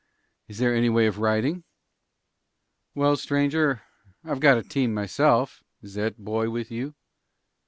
"Is there any way of riding?" "Well, stranger, I've got a team myself. Is that boy with you?"